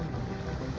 yaitu timbal dan seng